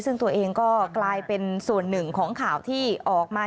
ซึ่งตัวเองก็กลายเป็นส่วนหนึ่งของข่าวที่ออกมา